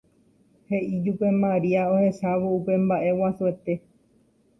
he'i ijupe Maria ohechávo upe mba'e guasuete.